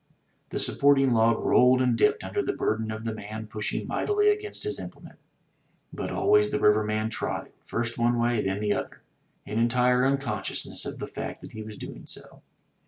The supporting log rolled and dipped under the burden of the man pushing mightily against his implement; but always the riverman trod it, first one way, then the other, in entire unconsciousness of the fact that he was doing so.